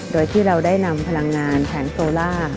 โดยที่เราได้นำพลังงานแผงโซล่า